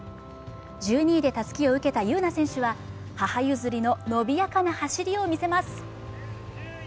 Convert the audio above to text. １２位でたすきを受けた優苗選手は母譲りの伸びやかな走りを見せます。